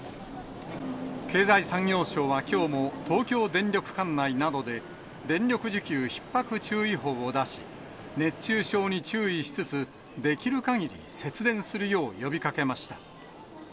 経済産業省は、きょうも東京電力管内などで、電力需給ひっ迫注意報を出し、熱中症に注意しつつ、できるかぎり節電するよう呼びかけました。